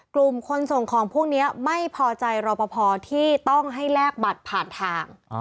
กลุ่มคนส่งของพวกนี้ไม่พอใจรอปภที่ต้องให้แลกบัตรผ่านทาง